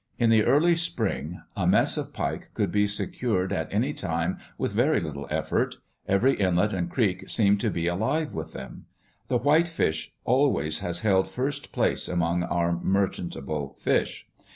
In the early spring, a mess of pike could be secured at any time with very little effort; every inlet and creek seemed to be alive with them. The whitefish always has held first place among our merchantable fish.